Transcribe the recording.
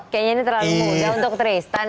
kayanya ini terlalu mudah untuk tristan ya